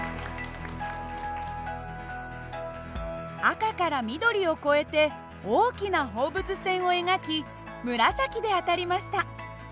赤から緑を越えて大きな放物線を描き紫で当たりました。